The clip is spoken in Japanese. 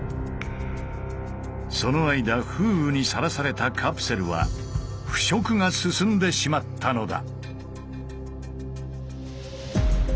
その間風雨にさらされたカプセルは腐食が進んでしまったのだ。